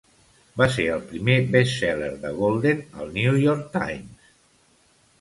Va ser el primer best-seller de Golden al New York Times.